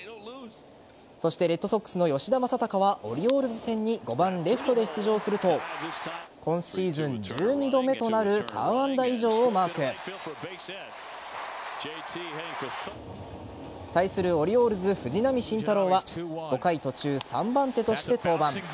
そしてレッドソックスの吉田正尚はオリオールズ戦に５番レフトで出場すると今シーズン１２度目となる３安打以上をマーク。対するオリオールズ藤浪晋太郎は５回途中、３番手として登板。